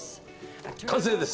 完成です。